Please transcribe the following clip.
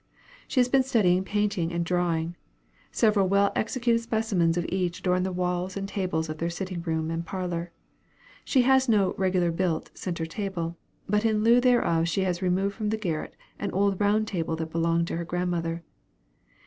She has been studying painting and drawing. Several well executed specimens of each adorn the walls and tables of their sitting room and parlor. She has no "regular built" centre table, but in lieu thereof she has removed from the garret an old round table that belonged to her grandmother.